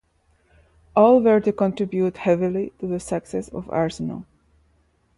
All were to contribute heavily to the success of Arsenal.